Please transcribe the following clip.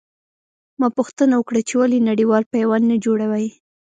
ما پوښتنه وکړه چې ولې نړېوال پیوند نه جوړوي.